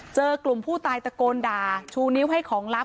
เจอกลุ่มผู้ตายตะโกนด่าชูนิ้วให้ของลับ